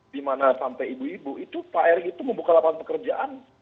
di mana sampai ibu ibu pak erick itu membuka lapangan pekerjaan